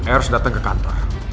eros datang ke kantor